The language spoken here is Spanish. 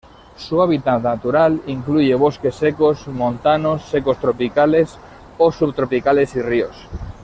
Su hábitat natural incluye bosques secos, montanos secos tropicales o subtropicales y ríos.